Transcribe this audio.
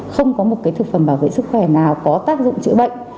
không có một thực phẩm bảo vệ sức khỏe nào có tác dụng chữa bệnh